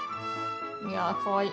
いやかわいい。